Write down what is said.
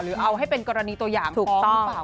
เอาให้เป็นกรณีตัวอย่างถูกต้องหรือเปล่า